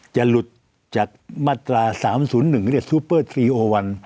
จะหลุดจากมาตรา๓๐๑เรียกว่าซูเปอร์๓๐๑